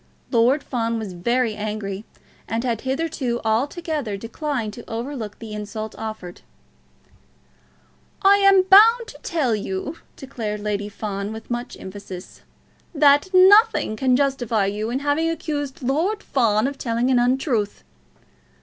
Lord Fawn was very angry, and had hitherto altogether declined to overlook the insult offered. "I am bound to tell you," declared Lady Fawn, with much emphasis, "that nothing can justify you in having accused Lord Fawn of telling an untruth.